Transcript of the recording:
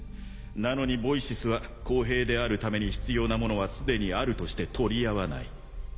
なのにＶｏｉｃｅｓは公平であるために必要なものは既にあるとして取り合わない。